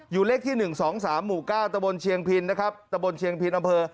เลขที่๑๒๓หมู่๙ตะบนเชียงพินนะครับตะบนเชียงพินอำเภอ